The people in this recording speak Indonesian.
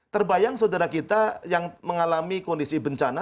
terbayang saudara kita yang mengalami kondisi bencana